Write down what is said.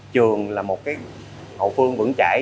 trường là một cái hậu phương vững chảy